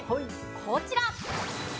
こちら！